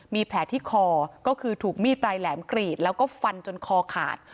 มีแผลที่คอก็คือถูกมีดปลายแหลมกรีดแล้วก็ฟันจนคอขาด